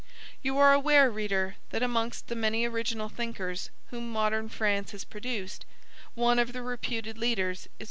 You are aware, reader, that amongst the many original thinkers, whom modern France has produced, one of the reputed leaders is M.